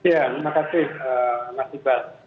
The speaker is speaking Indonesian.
ya terima kasih mas iqbal